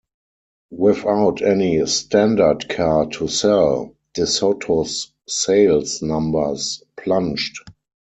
Without any "standard" car to sell, DeSoto's sales numbers plunged.